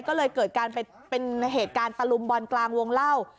ก็เลยเกิดการเป็นเหตุการณ์ตะลุมบอลกลางวงเล่า